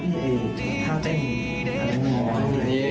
พี่เป๊อาจารย์อร่อยมากเลย